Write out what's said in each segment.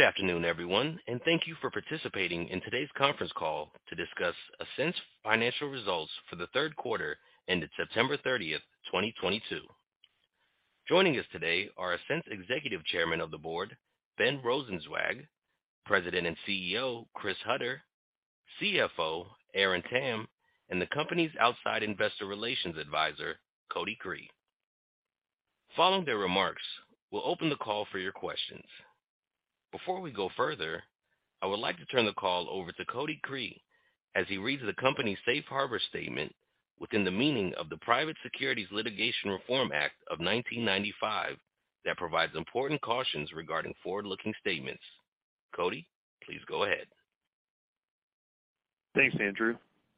Good afternoon, everyone, and thank you for participating in today's conference call to discuss Ascent's financial results for the third quarter ended September 30, 2022. Joining us today are Ascent's Executive Chairman of the Board, Ben Rosenzweig, President and CEO, Chris Hutter, CFO, Aaron Tam, and the company's outside investor relations advisor, Cody Cree. Following their remarks, we'll open the call for your questions. Before we go further, I would like to turn the call over to Cody Cree as he reads the company's Safe Harbor statement within the meaning of the Private Securities Litigation Reform Act of 1995 that provides important cautions regarding forward-looking statements. Cody, please go ahead. Thanks, Andrew.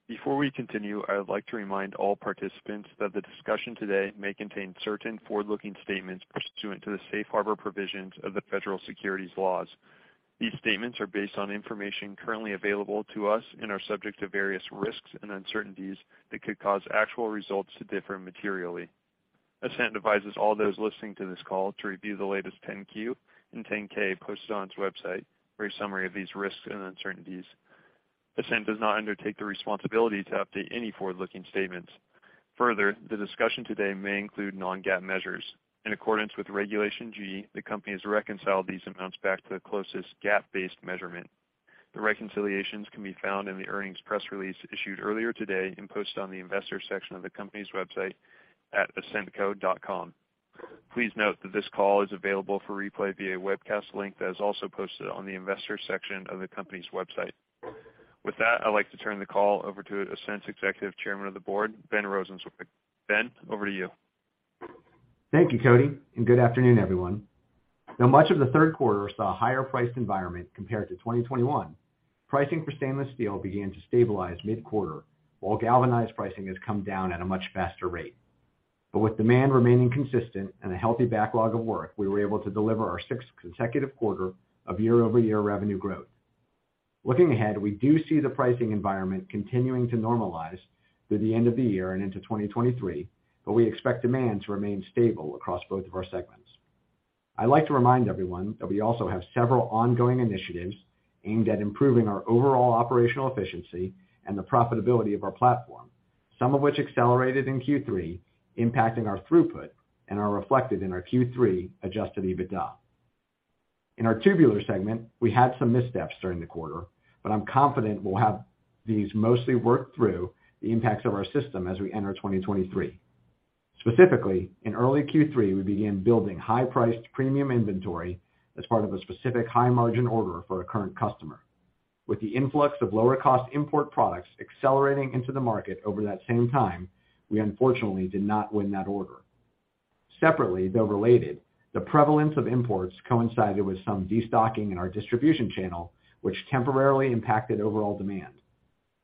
Before we continue, I would like to remind all participants that the discussion today may contain certain forward-looking statements pursuant to the Safe Harbor provisions of the Federal Securities laws. These statements are based on information currently available to us and are subject to various risks and uncertainties that could cause actual results to differ materially. Ascent advises all those listening to this call to review the latest 10-Q and 10-K posted on its website for a summary of these risks and uncertainties. Ascent does not undertake the responsibility to update any forward-looking statements. Further, the discussion today may include non-GAAP measures. In accordance with Regulation G, the company has reconciled these amounts back to the closest GAAP-based measurement. The reconciliations can be found in the earnings press release issued earlier today and posted on the investors section of the company's website at ascentco.com. Please note that this call is available for replay via webcast link that is also posted on the Investors section of the company's website. With that, I'd like to turn the call over to Ascent's Executive Chairman of the Board, Ben Rosenzweig. Ben, over to you. Thank you, Cody, and good afternoon, everyone. Now much of the third quarter saw a higher-priced environment compared to 2021. Pricing for stainless steel began to stabilize mid-quarter, while galvanized pricing has come down at a much faster rate. With demand remaining consistent and a healthy backlog of work, we were able to deliver our sixth consecutive quarter of year-over-year revenue growth. Looking ahead, we do see the pricing environment continuing to normalize through the end of the year and into 2023, but we expect demand to remain stable across both of our segments. I'd like to remind everyone that we also have several ongoing initiatives aimed at improving our overall operational efficiency and the profitability of our platform, some of which accelerated in Q3, impacting our throughput and are reflected in our Q3 adjusted EBITDA. In our Tubular segment, we had some missteps during the quarter, but I'm confident we'll have these mostly worked through the impacts of our system as we enter 2023. Specifically, in early Q3, we began building high-priced premium inventory as part of a specific high-margin order for a current customer. With the influx of lower-cost import products accelerating into the market over that same time, we unfortunately did not win that order. Separately, though related, the prevalence of imports coincided with some destocking in our distribution channel, which temporarily impacted overall demand.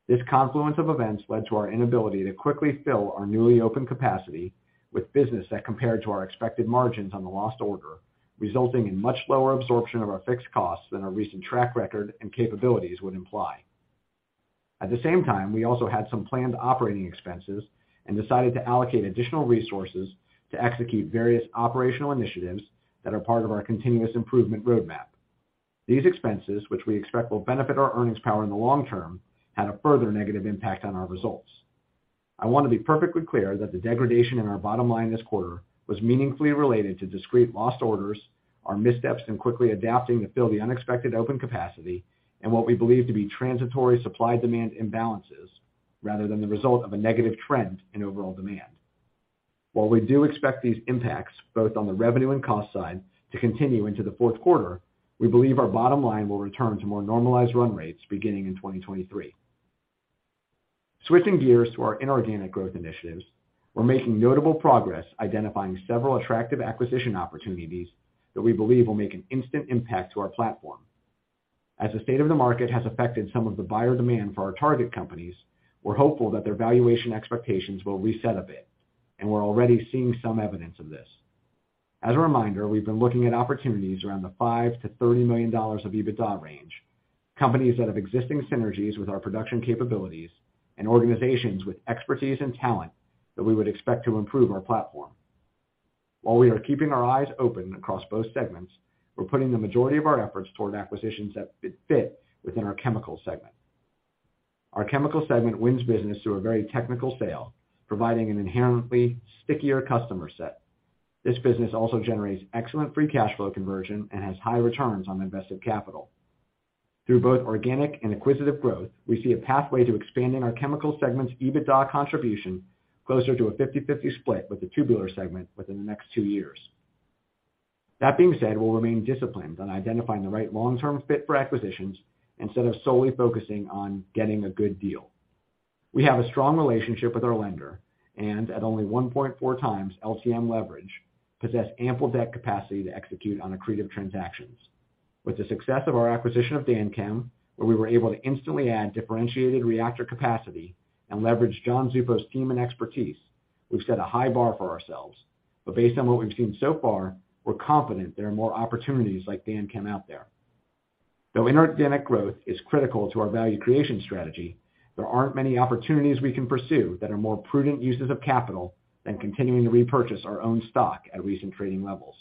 This confluence of events led to our inability to quickly fill our newly opened capacity with business that compared to our expected margins on the lost order, resulting in much lower absorption of our fixed costs than our recent track record and capabilities would imply. At the same time, we also had some planned operating expenses and decided to allocate additional resources to execute various operational initiatives that are part of our continuous improvement roadmap. These expenses, which we expect will benefit our earnings power in the long term, had a further negative impact on our results. I want to be perfectly clear that the degradation in our bottom line this quarter was meaningfully related to discrete lost orders, our missteps in quickly adapting to fill the unexpected open capacity, and what we believe to be transitory supply-demand imbalances rather than the result of a negative trend in overall demand. While we do expect these impacts, both on the revenue and cost side, to continue into the fourth quarter, we believe our bottom line will return to more normalized run rates beginning in 2023. Switching gears to our inorganic growth initiatives, we're making notable progress identifying several attractive acquisition opportunities that we believe will make an instant impact to our platform. As the state of the market has affected some of the buyer demand for our target companies, we're hopeful that their valuation expectations will reset a bit, and we're already seeing some evidence of this. As a reminder, we've been looking at opportunities around the $5 million-$30 million EBITDA range, companies that have existing synergies with our production capabilities, and organizations with expertise and talent that we would expect to improve our platform. While we are keeping our eyes open across both segments, we're putting the majority of our efforts toward acquisitions that fit within our Chemical segment. Our Chemical segment wins business through a very technical sale, providing an inherently stickier customer set. This business also generates excellent free cash flow conversion and has high returns on invested capital. Through both organic and acquisitive growth, we see a pathway to expanding our Chemicals segment's EBITDA contribution closer to a 50/50 split with the Tubular segment within the next 2 years. That being said, we'll remain disciplined on identifying the right long-term fit for acquisitions instead of solely focusing on getting a good deal. We have a strong relationship with our lender and, at only 1.4 times LTM leverage, possess ample debt capacity to execute on accretive transactions. With the success of our acquisition of DanChem, where we were able to instantly add differentiated reactor capacity and leverage John Zuppo's team and expertise, we've set a high bar for ourselves. Based on what we've seen so far, we're confident there are more opportunities like DanChem out there. Though inorganic growth is critical to our value creation strategy, there aren't many opportunities we can pursue that are more prudent uses of capital than continuing to repurchase our own stock at recent trading levels.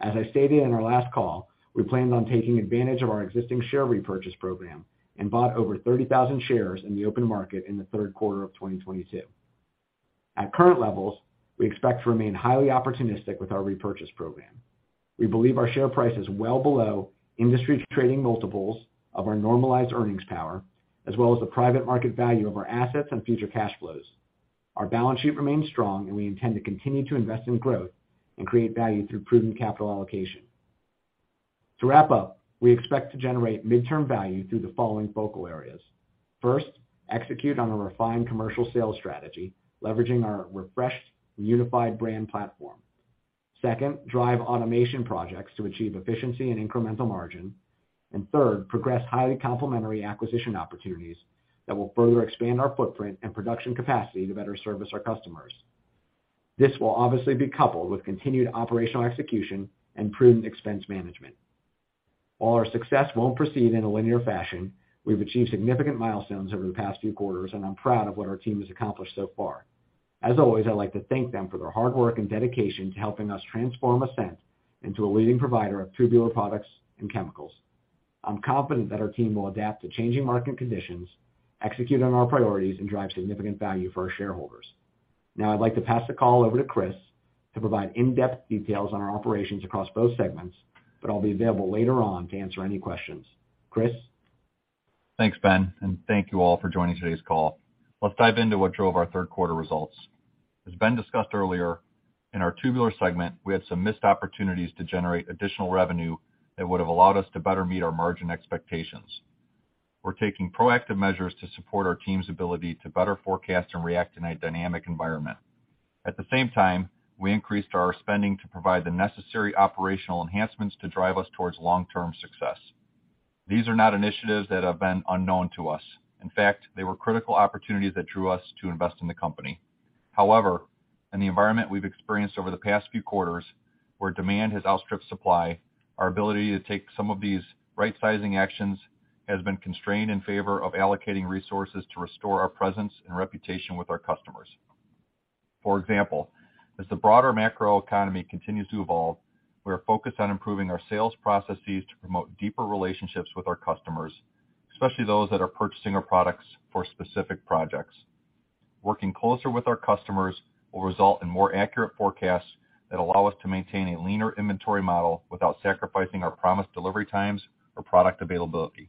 As I stated in our last call, we planned on taking advantage of our existing share repurchase program and bought over 30,000 shares in the open market in the third quarter of 2022. At current levels, we expect to remain highly opportunistic with our repurchase program. We believe our share price is well below industry trading multiples of our normalized earnings power, as well as the private market value of our assets and future cash flows. Our balance sheet remains strong, and we intend to continue to invest in growth and create value through prudent capital allocation. To wrap up, we expect to generate midterm value through the following focal areas. First, execute on a refined commercial sales strategy, leveraging our refreshed unified brand platform. Second, drive automation projects to achieve efficiency and incremental margin. Third, progress highly complementary acquisition opportunities that will further expand our footprint and production capacity to better service our customers. This will obviously be coupled with continued operational execution and prudent expense management. While our success won't proceed in a linear fashion, we've achieved significant milestones over the past few quarters, and I'm proud of what our team has accomplished so far. As always, I'd like to thank them for their hard work and dedication to helping us transform Ascent into a leading provider of tubular products and chemicals. I'm confident that our team will adapt to changing market conditions, execute on our priorities, and drive significant value for our shareholders. Now I'd like to pass the call over to Chris to provide in-depth details on our operations across both segments, but I'll be available later on to answer any questions. Chris? Thanks, Ben, and thank you all for joining today's call. Let's dive into what drove our third quarter results. As Ben discussed earlier, in our tubular segment, we had some missed opportunities to generate additional revenue that would have allowed us to better meet our margin expectations. We're taking proactive measures to support our team's ability to better forecast and react in a dynamic environment. At the same time, we increased our spending to provide the necessary operational enhancements to drive us towards long-term success. These are not initiatives that have been unknown to us. In fact, they were critical opportunities that drew us to invest in the company. However, in the environment we've experienced over the past few quarters, where demand has outstripped supply, our ability to take some of these right-sizing actions has been constrained in favor of allocating resources to restore our presence and reputation with our customers. For example, as the broader macroeconomy continues to evolve, we are focused on improving our sales processes to promote deeper relationships with our customers, especially those that are purchasing our products for specific projects. Working closer with our customers will result in more accurate forecasts that allow us to maintain a leaner inventory model without sacrificing our promised delivery times or product availability.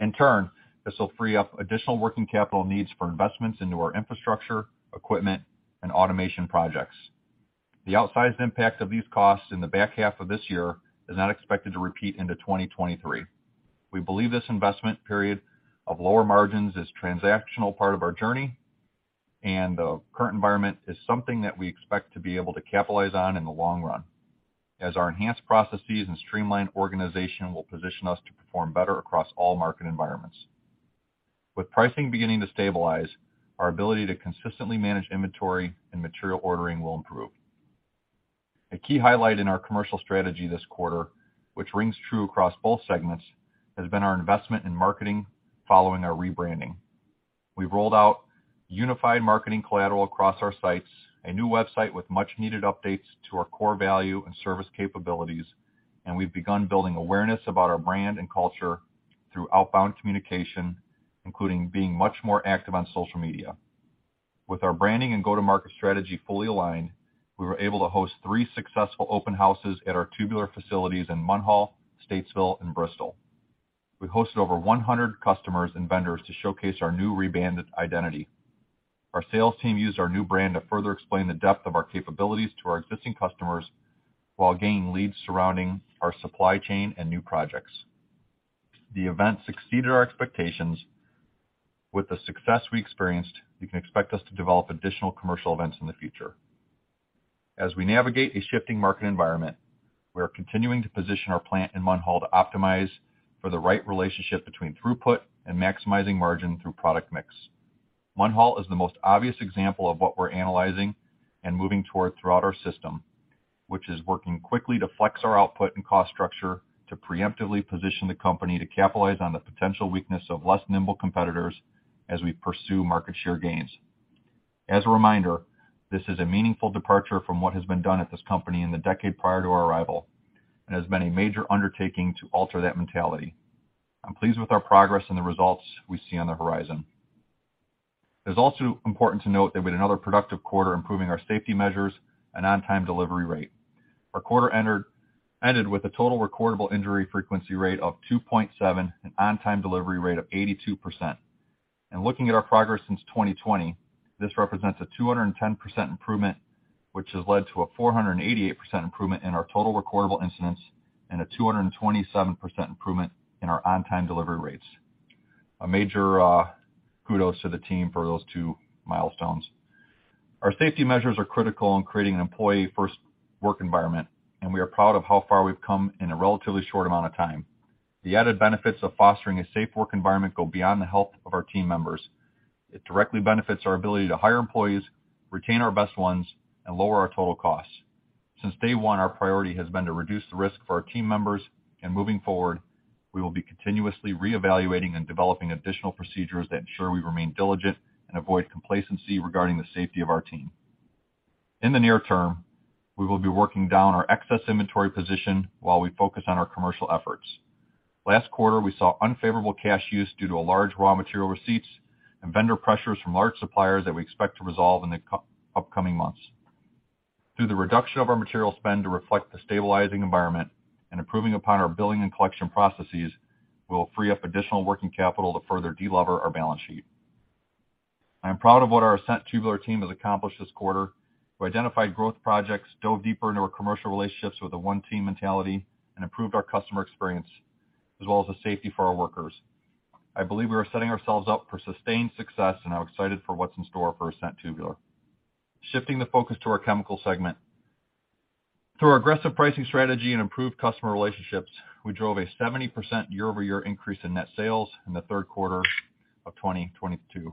In turn, this will free up additional working capital needs for investments into our infrastructure, equipment, and automation projects. The outsized impact of these costs in the back half of this year is not expected to repeat into 2023. We believe this investment period of lower margins is a transitional part of our journey, and the current environment is something that we expect to be able to capitalize on in the long run, as our enhanced processes and streamlined organization will position us to perform better across all market environments. With pricing beginning to stabilize, our ability to consistently manage inventory and material ordering will improve. A key highlight in our commercial strategy this quarter, which rings true across both segments, has been our investment in marketing following our rebranding. We've rolled out unified marketing collateral across our sites, a new website with much-needed updates to our core value and service capabilities, and we've begun building awareness about our brand and culture through outbound communication, including being much more active on social media. With our branding and go-to-market strategy fully aligned, we were able to host 3 successful open houses at our tubular facilities in Munhall, Statesville, and Bristol. We hosted over 100 customers and vendors to showcase our new rebranded identity. Our sales team used our new brand to further explain the depth of our capabilities to our existing customers while gaining leads surrounding our supply chain and new projects. The event exceeded our expectations. With the success we experienced, you can expect us to develop additional commercial events in the future. As we navigate a shifting market environment, we are continuing to position our plant in Munhall to optimize for the right relationship between throughput and maximizing margin through product mix. Munhall is the most obvious example of what we're analyzing and moving toward throughout our system, which is working quickly to flex our output and cost structure to preemptively position the company to capitalize on the potential weakness of less nimble competitors as we pursue market share gains. As a reminder, this is a meaningful departure from what has been done at this company in the decade prior to our arrival, and it has been a major undertaking to alter that mentality. I'm pleased with our progress and the results we see on the horizon. It's also important to note that we had another productive quarter improving our safety measures and on-time delivery rate. Our quarter ended with a total recordable injury frequency rate of 2.7 and on-time delivery rate of 82%. Looking at our progress since 2020, this represents a 210% improvement, which has led to a 488% improvement in our total recordable incidents and a 227% improvement in our on-time delivery rates. A major kudos to the team for those two milestones. Our safety measures are critical in creating an employee-first work environment, and we are proud of how far we've come in a relatively short amount of time. The added benefits of fostering a safe work environment go beyond the health of our team members. It directly benefits our ability to hire employees, retain our best ones, and lower our total costs. Since day one, our priority has been to reduce the risk for our team members, and moving forward, we will be continuously reevaluating and developing additional procedures that ensure we remain diligent and avoid complacency regarding the safety of our team. In the near term, we will be working down our excess inventory position while we focus on our commercial efforts. Last quarter, we saw unfavorable cash use due to a large raw material receipts and vendor pressures from large suppliers that we expect to resolve in the couple of upcoming months. Through the reduction of our material spend to reflect the stabilizing environment and improving upon our billing and collection processes, we'll free up additional working capital to further delever our balance sheet. I am proud of what our Ascent Tubular team has accomplished this quarter. We identified growth projects, dove deeper into our commercial relationships with a one-team mentality and improved our customer experience as well as the safety for our workers. I believe we are setting ourselves up for sustained success, and I'm excited for what's in store for Ascent Tubular. Shifting the focus to our chemical segment. Through our aggressive pricing strategy and improved customer relationships, we drove a 70% year-over-year increase in net sales in the third quarter of 2022.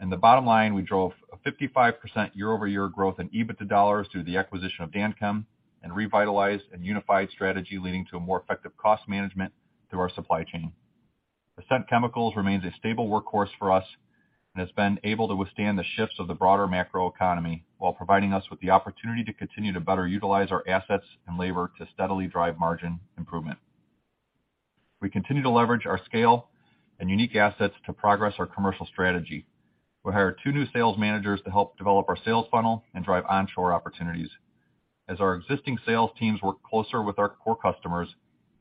In the bottom line, we drove a 55% year-over-year growth in EBITDA dollars through the acquisition of DanChem and revitalized and unified strategy, leading to a more effective cost management through our supply chain. Ascent Chemicals remains a stable workhorse for us and has been able to withstand the shifts of the broader macroeconomy while providing us with the opportunity to continue to better utilize our assets and labor to steadily drive margin improvement. We continue to leverage our scale and unique assets to progress our commercial strategy. We hired 2 new sales managers to help develop our sales funnel and drive onshore opportunities. As our existing sales teams work closer with our core customers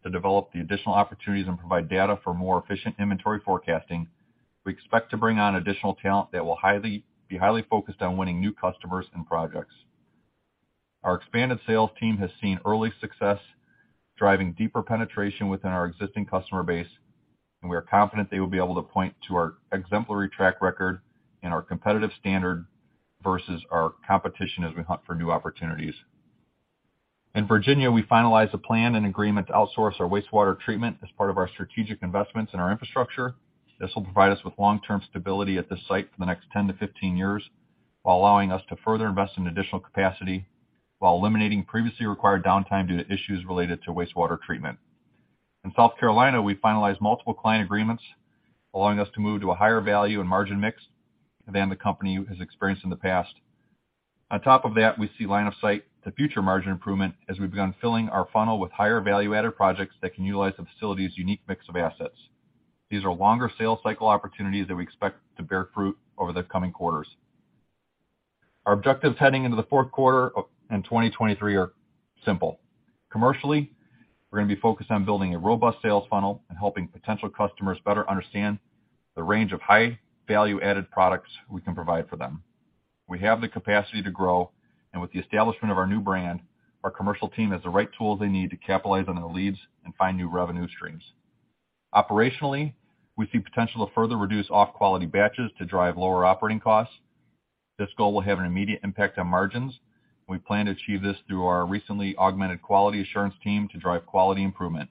to develop the additional opportunities and provide data for more efficient inventory forecasting, we expect to bring on additional talent that will be highly focused on winning new customers and projects. Our expanded sales team has seen early success driving deeper penetration within our existing customer base, and we are confident they will be able to point to our exemplary track record and our competitive standard versus our competition as we hunt for new opportunities. In Virginia, we finalized a plan and agreement to outsource our wastewater treatment as part of our strategic investments in our infrastructure. This will provide us with long-term stability at this site for the next 10-15 years, while allowing us to further invest in additional capacity while eliminating previously required downtime due to issues related to wastewater treatment. In South Carolina, we finalized multiple client agreements allowing us to move to a higher value and margin mix than the company has experienced in the past. On top of that, we see line of sight to future margin improvement as we've begun filling our funnel with higher value-added projects that can utilize the facility's unique mix of assets. These are longer sales cycle opportunities that we expect to bear fruit over the coming quarters. Our objectives heading into the fourth quarter in 2023 are simple. Commercially, we're gonna be focused on building a robust sales funnel and helping potential customers better understand the range of high value-added products we can provide for them. We have the capacity to grow, and with the establishment of our new brand, our commercial team has the right tools they need to capitalize on the leads and find new revenue streams. Operationally, we see potential to further reduce off-quality batches to drive lower operating costs. This goal will have an immediate impact on margins. We plan to achieve this through our recently augmented quality assurance team to drive quality improvement.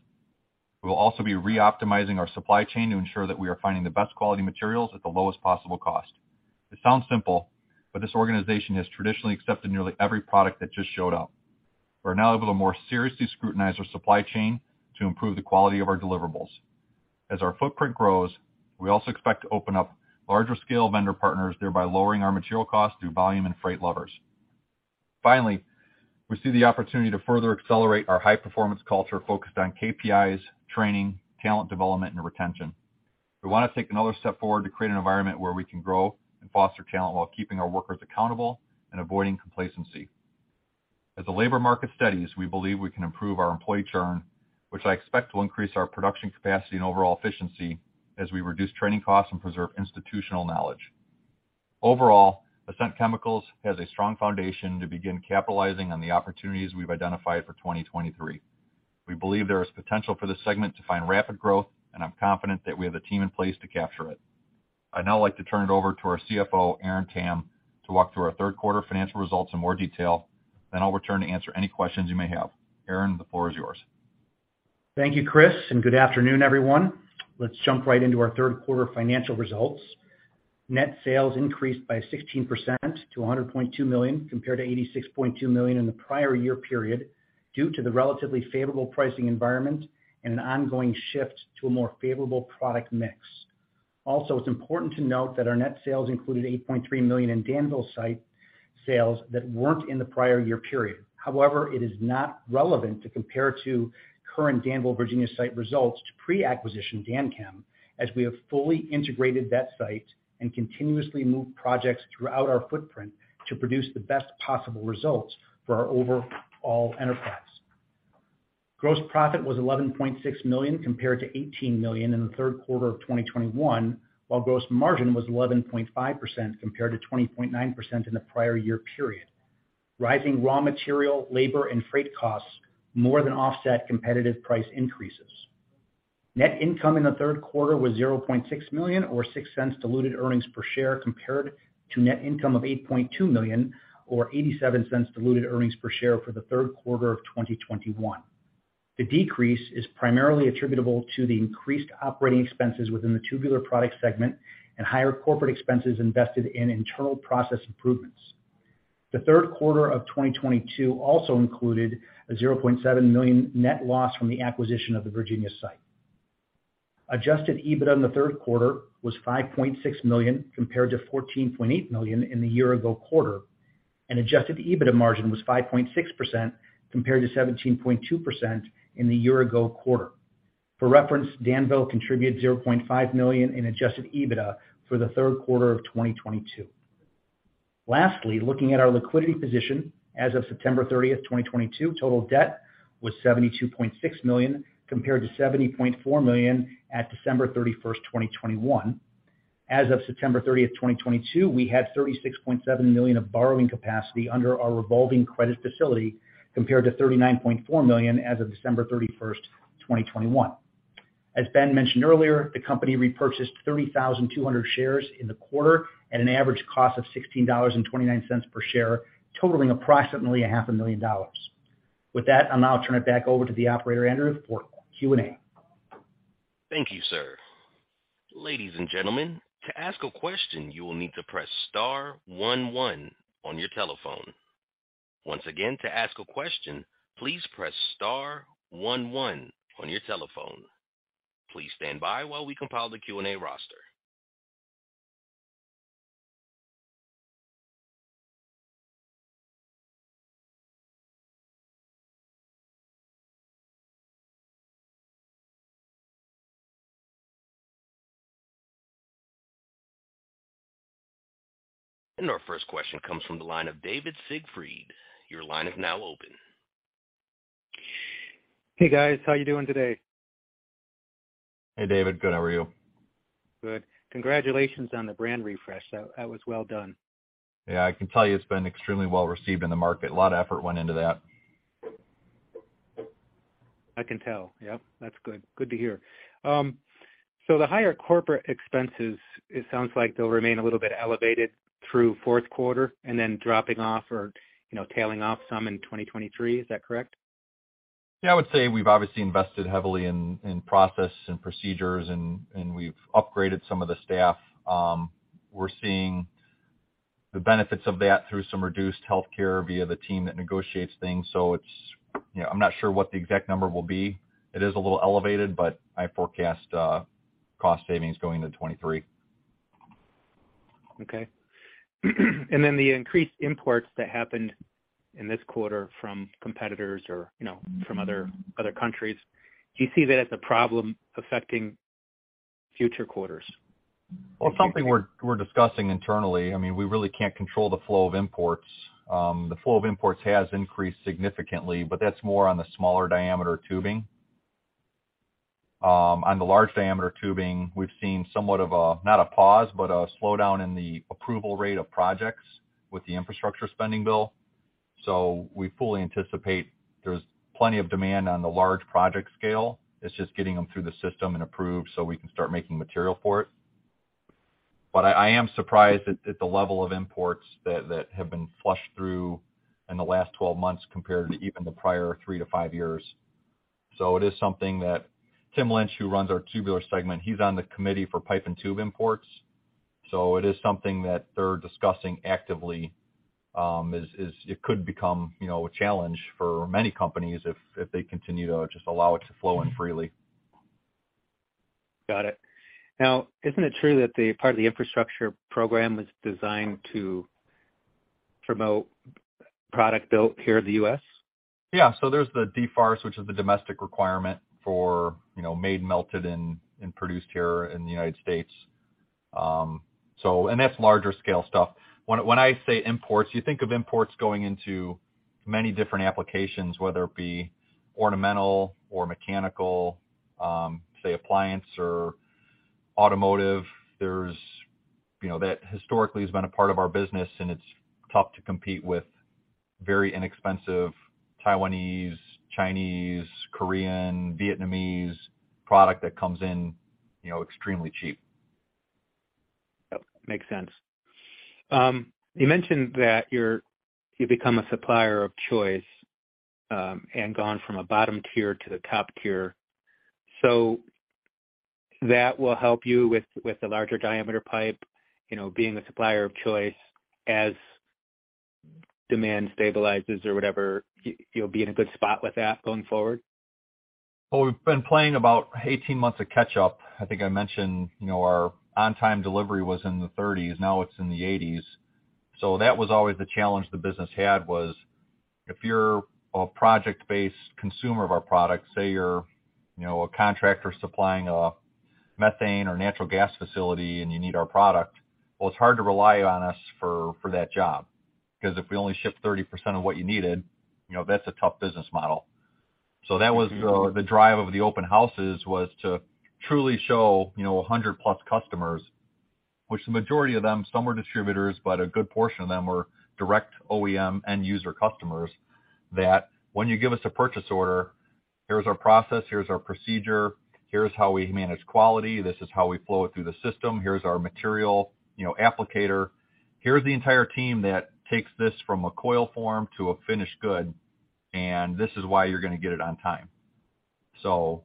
We will also be reoptimizing our supply chain to ensure that we are finding the best quality materials at the lowest possible cost. It sounds simple, but this organization has traditionally accepted nearly every product that just showed up. We're now able to more seriously scrutinize our supply chain to improve the quality of our deliverables. As our footprint grows, we also expect to open up larger scale vendor partners, thereby lowering our material costs through volume and freight levers. Finally, we see the opportunity to further accelerate our high-performance culture focused on KPIs, training, talent development and retention. We wanna take another step forward to create an environment where we can grow and foster talent while keeping our workers accountable and avoiding complacency. As the labor market stabilizes, we believe we can improve our employee churn, which I expect will increase our production capacity and overall efficiency as we reduce training costs and preserve institutional knowledge. Overall, Ascent Chemicals has a strong foundation to begin capitalizing on the opportunities we've identified for 2023. We believe there is potential for this segment to find rapid growth, and I'm confident that we have the team in place to capture it. I'd now like to turn it over to our CFO, Aaron Tam, to walk through our third quarter financial results in more detail. Then I'll return to answer any questions you may have. Aaron, the floor is yours. Thank you, Chris, and good afternoon, everyone. Let's jump right into our third quarter financial results. Net sales increased by 16% to $100.2 million, compared to $86.2 million in the prior year period, due to the relatively favorable pricing environment and an ongoing shift to a more favorable product mix. Also, it's important to note that our net sales included $8.3 million in Danville site sales that weren't in the prior year period. However, it is not relevant to compare to current Danville, Virginia, site results to pre-acquisition DanChem, as we have fully integrated that site and continuously moved projects throughout our footprint to produce the best possible results for our overall enterprise. Gross profit was $11.6 million compared to $18 million in the third quarter of 2021, while gross margin was 11.5% compared to 20.9% in the prior year period. Rising raw material, labor, and freight costs more than offset competitive price increases. Net income in the third quarter was $0.6 million or $0.06 diluted earnings per share compared to net income of $8.2 million or $0.87 diluted earnings per share for the third quarter of 2021. The decrease is primarily attributable to the increased operating expenses within the tubular products segment and higher corporate expenses invested in internal process improvements. The third quarter of 2022 also included a $0.7 million net loss from the acquisition of the Virginia site. Adjusted EBITDA in the third quarter was $5.6 million compared to $14.8 million in the year ago quarter, and adjusted EBITDA margin was 5.6% compared to 17.2% in the year ago quarter. For reference, Danville contributed $0.5 million in adjusted EBITDA for the third quarter of 2022. Lastly, looking at our liquidity position. As of September 30, 2022, total debt was $72.6 million, compared to $70.4 million at December 31, 2021. As of September thirtieth, 2022, we had $36.7 million of borrowing capacity under our revolving credit facility, compared to $39.4 million as of December thirty-first, 2021. As Ben mentioned earlier, the company repurchased 30,200 shares in the quarter at an average cost of $16.29 per share, totaling approximately a half a million dollars. With that, I'll now turn it back over to the operator, Andrew, for Q&A. Thank you, sir. Ladies and gentlemen, to ask a question, you will need to press star one one on your telephone. Once again, to ask a question, please press star one one on your telephone. Please stand by while we compile the Q&A roster. Our first question comes from the line of David Siegfried. Your line is now open. Hey, guys. How you doing today? Hey, David. Good. How are you? Good. Congratulations on the brand refresh. That was well done. Yeah, I can tell you it's been extremely well-received in the market. A lot of effort went into that. I can tell. Yep. That's good. Good to hear. The higher corporate expenses, it sounds like they'll remain a little bit elevated through fourth quarter and then dropping off or, you know, tailing off some in 2023. Is that correct? Yeah, I would say we've obviously invested heavily in process and procedures and we've upgraded some of the staff. We're seeing the benefits of that through some reduced healthcare via the team that negotiates things. It's, you know, I'm not sure what the exact number will be. It is a little elevated, but I forecast cost savings going into 2023. Okay. The increased imports that happened in this quarter from competitors or, you know, from other countries, do you see that as a problem affecting future quarters? Well, it's something we're discussing internally. I mean, we really can't control the flow of imports. The flow of imports has increased significantly, but that's more on the smaller diameter tubing. On the large diameter tubing, we've seen somewhat of a, not a pause, but a slowdown in the approval rate of projects with the infrastructure spending bill. We fully anticipate there's plenty of demand on the large project scale. It's just getting them through the system and approved so we can start making material for it. I am surprised at the level of imports that have been flushed through in the last 12 months compared to even the prior 3-5 years. It is something that Tim Lynch, who runs our tubular segment, he's on the committee for pipe and tube imports. It is something that they're discussing actively, as it could become, you know, a challenge for many companies if they continue to just allow it to flow in freely. Got it. Now, isn't it true that the part of the infrastructure program was designed to promote product built here in the U.S.? Yeah. There's the DFARS, which is the domestic requirement for, you know, made, melted, and produced here in the United States. That's larger scale stuff. When I say imports, you think of imports going into many different applications, whether it be ornamental or mechanical, say appliance or automotive. There's, you know, that historically has been a part of our business, and it's tough to compete with very inexpensive Taiwanese, Chinese, Korean, Vietnamese product that comes in, you know, extremely cheap. Yep. Makes sense. You mentioned that you've become a supplier of choice and gone from a bottom tier to the top tier. That will help you with the larger diameter pipe, you know, being the supplier of choice as demand stabilizes or whatever. You'll be in a good spot with that going forward? Well, we've been playing about 18 months of catch-up. I think I mentioned, you know, our on-time delivery was in the 30s, now it's in the 80s. That was always the challenge the business had was if you're a project-based consumer of our product, say you're, you know, a contractor supplying a methane or natural gas facility and you need our product, well, it's hard to rely on us for that job. 'Cause if we only ship 30% of what you needed, you know, that's a tough business model. That was the drive of the open houses was to truly show, you know, 100+ customers, which the majority of them, some were distributors, but a good portion of them were direct OEM end user customers, that when you give us a purchase order, here's our process, here's our procedure, here's how we manage quality, this is how we flow it through the system, here's our material, you know, application. Here's the entire team that takes this from a coil form to a finished good, and this is why you're gonna get it on time. You know,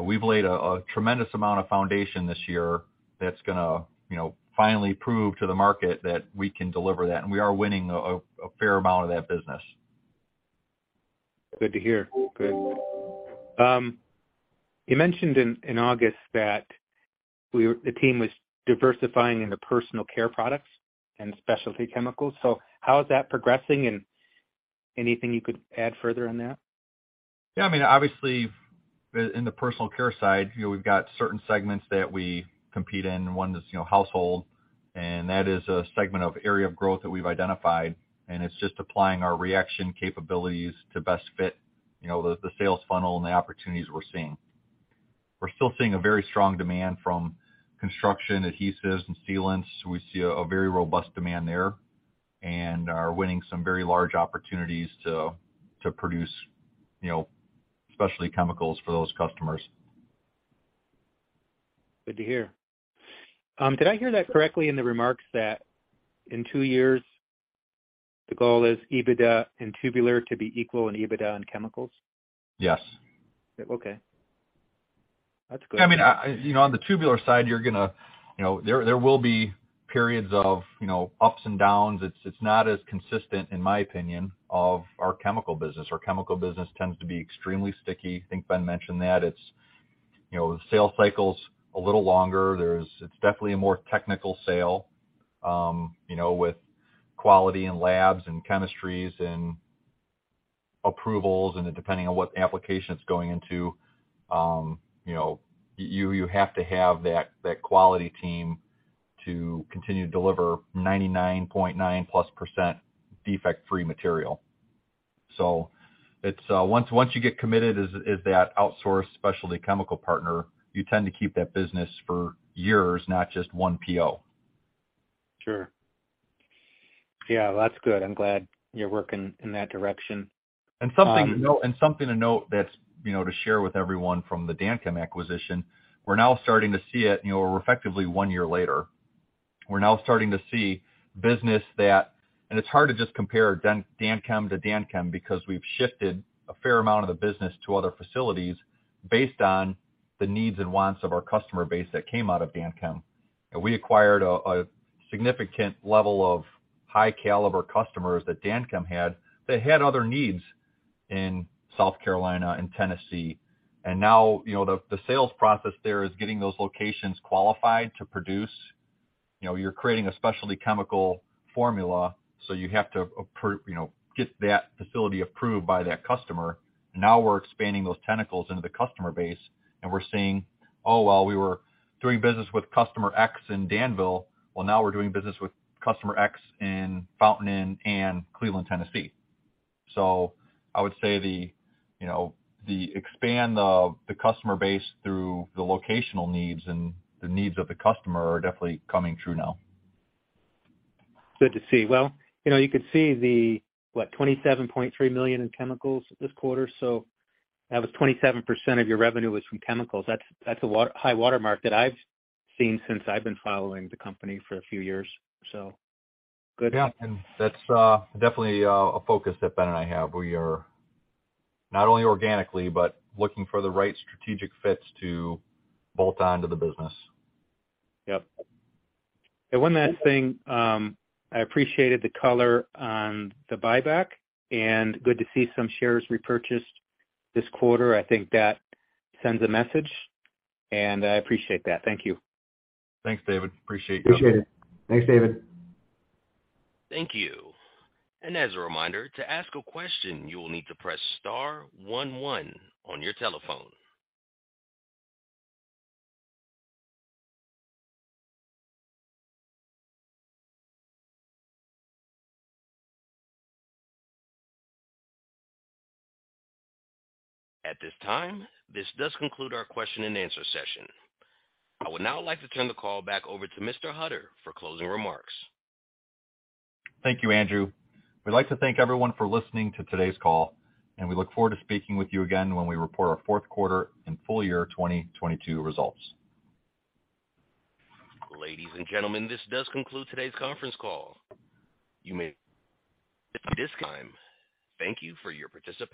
we've laid a tremendous amount of foundation this year that's gonna, you know, finally prove to the market that we can deliver that, and we are winning a fair amount of that business. Good to hear. Good. You mentioned in August that the team was diversifying in the personal care products and specialty chemicals. How is that progressing? Anything you could add further on that? Yeah, I mean, obviously, in the personal care side, you know, we've got certain segments that we compete in. One is, you know, household, and that is a segment of area of growth that we've identified, and it's just applying our reaction capabilities to best fit, you know, the sales funnel and the opportunities we're seeing. We're still seeing a very strong demand from construction adhesives and sealants. We see a very robust demand there and are winning some very large opportunities to produce, you know, specialty chemicals for those customers. Good to hear. Did I hear that correctly in the remarks that in two years, the goal is EBITDA in tubular to be equal in EBITDA in chemicals? Yes. Okay. That's good. I mean, you know, on the tubular side, you're gonna you know, there will be periods of, you know, ups and downs. It's not as consistent, in my opinion, of our chemical business. Our chemical business tends to be extremely sticky. I think Ben mentioned that. It's, you know, the sales cycle's a little longer. It's definitely a more technical sale, you know, with quality and labs and chemistries and approvals, and then depending on what application it's going into, you know, you have to have that quality team to continue to deliver 99.9+% defect-free material. So it's once you get committed as that outsourced specialty chemical partner, you tend to keep that business for years, not just one PO. Sure. Yeah, that's good. I'm glad you're working in that direction. Something to note that's, you know, to share with everyone from the DanChem acquisition, we're now starting to see it, you know, effectively one year later. We're now starting to see business. It's hard to just compare DanChem to DanChem because we've shifted a fair amount of the business to other facilities based on the needs and wants of our customer base that came out of DanChem. We acquired a significant level of high caliber customers that DanChem had that had other needs in South Carolina and Tennessee. Now, you know, the sales process there is getting those locations qualified to produce. You know, you're creating a specialty chemical formula, so you have to get that facility approved by that customer. Now we're expanding those tentacles into the customer base, and we're seeing, oh, well, we were doing business with customer X in Danville, well, now we're doing business with customer X in Fountain Inn and Cleveland, Tennessee. I would say the, you know, the expansion of the customer base through the locational needs and the needs of the customer are definitely coming true now. Good to see. Well, you know, you could see the, what, $27.3 million in chemicals this quarter, so that was 27% of your revenue was from chemicals. That's a high watermark that I've seen since I've been following the company for a few years, so good. Yeah. That's definitely a focus that Ben and I have. We are not only organically, but looking for the right strategic fits to bolt on to the business. Yep. One last thing, I appreciated the color on the buyback, and good to see some shares repurchased this quarter. I think that sends a message, and I appreciate that. Thank you. Thanks, David. Appreciate you. Appreciate it. Thanks, David. Thank you. As a reminder, to ask a question, you will need to press star one one on your telephone. At this time, this does conclude our question and answer session. I would now like to turn the call back over to Mr. Hutter for closing remarks. Thank you, Andrew. We'd like to thank everyone for listening to today's call, and we look forward to speaking with you again when we report our fourth quarter and full year 2022 results. Ladies and gentlemen, this does conclude today's conference call. At this time, thank you for your participation.